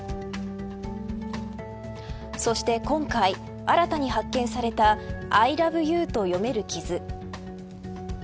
そして今回、新たに発見されたＩＬＯＶＥＹＯＵと読める傷。